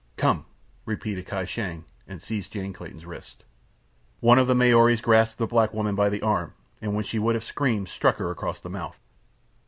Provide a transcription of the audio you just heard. "Come!" repeated Kai Shang, and seized Jane Clayton's wrist. One of the Maoris grasped the black woman by the arm, and when she would have screamed struck her across the mouth.